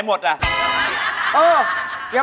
เป็นไง